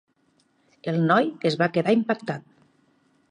El noi es va quedar impactat.